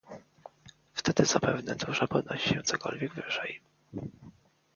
"Wtedy zapewne dusza podnosi się cokolwiek wyżej."